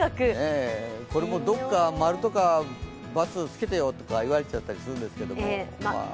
これもどこか○とか×をつけてよとか言われちゃったりするんですけど。